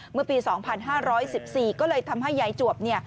เมื่อปี๒๕๑๔ก็เลยทำให้ยายจวบ